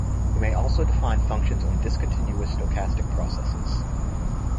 We may also define functions on discontinuous stochastic processes.